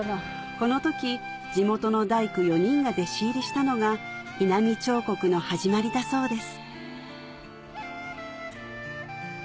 この時地元の大工４人が弟子入りしたのが井波彫刻の始まりだそうです